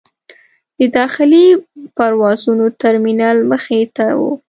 د داخلي پروازونو ترمینل مخې ته و.